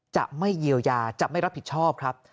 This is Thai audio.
จะไม่เยียวยาจะไม่รับผิดชอบครับ